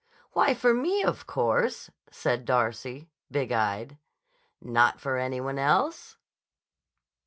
"Why, for me, of course," said Darcy, big eyed. "Not for any one else?"